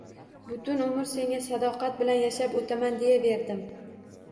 Butun umr senga sadoqat bilan yashab o`taman, deyaverdim